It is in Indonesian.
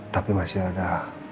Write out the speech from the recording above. tapi masih ada